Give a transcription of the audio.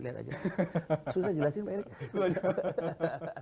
susah jelasin pak erick